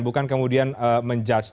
bukan kemudian menjudge